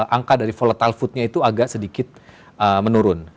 angka dari volatile foodnya itu agak sedikit menurun